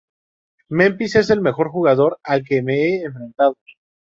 Memphis es el mejor jugador al que me he enfrentado.